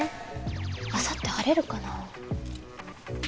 あさって晴れるかなあ？